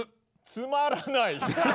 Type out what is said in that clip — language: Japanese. つまらない。